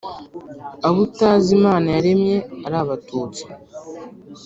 abo utazi Imana yaremye ari abatutsi,